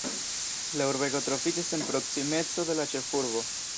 La urbego troviĝas en proksimeco de la ĉefurbo.